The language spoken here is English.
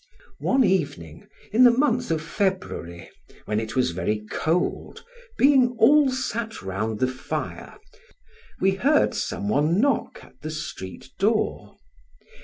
One evening, in the month of February, when it was very cold, being all sat round the fire, we heard some one knock at the street door.